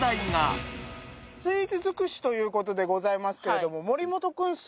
スイーツ尽くしということでございますけれども。